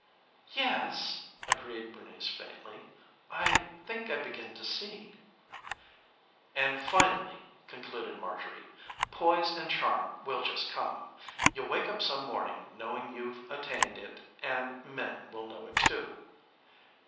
"Yes," agreed Bernice faintly. "I think I begin to see." "And finally," concluded Marjorie, "poise and charm will just come. You'll wake up some morning knowing you've attained it and men will know it too."